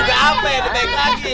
ini juga apa ya ini baik lagi